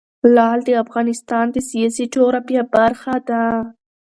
لعل د افغانستان د سیاسي جغرافیه برخه ده.